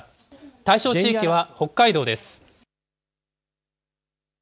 対象地域は北海道です。